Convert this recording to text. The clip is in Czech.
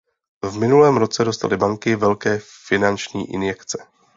V minulém roce dostaly banky velké finanční injekce.